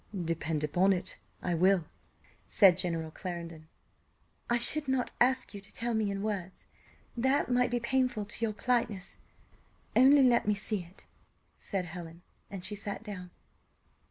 "Depend upon it, I will," said General Clarendon. "I should not ask you to tell me in words that might be painful to your politeness; only let me see it," said Helen, and she sat down.